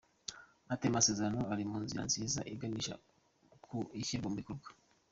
Ati” Aya masezerano ari mu nzira nziza iganisha ku ishyirwa mu bikorwa.